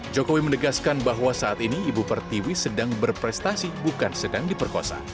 jokowi menegaskan bahwa saat ini ibu pertiwi sedang berprestasi bukan sedang diperkosa